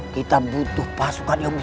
kita butuh pasukan yang besar